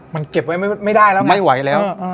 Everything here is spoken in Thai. มันเก็บไว้ไม่ได้แล้วไหมอเจมส์ไม่ไหวแล้ว